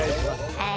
はい。